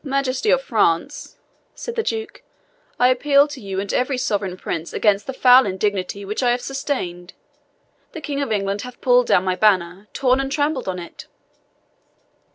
"Majesty of France," said the Duke, "I appeal to you and every sovereign prince against the foul indignity which I have sustained. This King of England hath pulled down my banner torn and trampled on it."